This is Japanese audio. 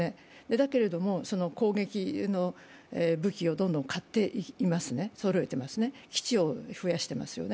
だけれども攻撃用の武器をどんどん買っていますね、基地を増やしてますよね。